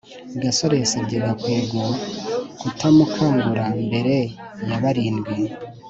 gasore yasabye gakwego kutamukangura mbere ya barindwi